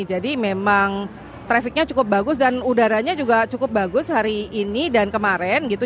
jadi memang trafiknya cukup bagus dan udaranya juga cukup bagus hari ini dan kemarin gitu